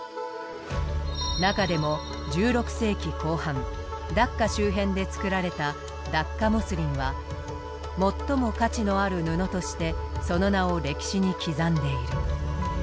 中でも１６世紀後半ダッカ周辺で作られたダッカモスリンは最も価値のある布としてその名を歴史に刻んでいる。